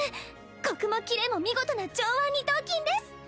コクもキレも見事な上腕二頭筋です